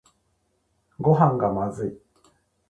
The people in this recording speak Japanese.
ごはんがまずい